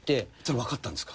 分かったんですか？